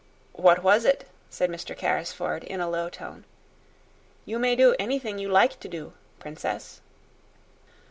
"What was it?" said Mr. Carrisford, in a low tone. "You may do anything you like to do, princess."